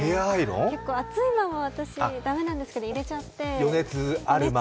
結構熱いまま、私、いけないんですけど入れちゃって。